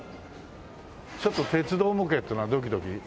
ちょっと鉄道模型っていうのはドキドキするね。